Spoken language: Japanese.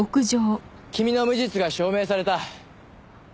君の無実が証明された。